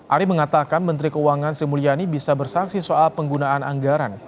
ari mengatakan menteri keuangan sri mulyani bisa bersaksi soal penggunaan anggaran